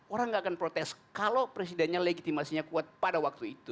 orang gak akan protes kalau presidennya legitimasinya kuat pada waktu itu